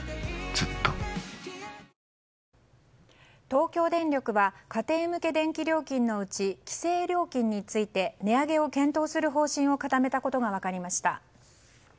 東京電力は家庭向け電気料金のうち規制料金について値上げを検討する方針を固めたことが分かりました。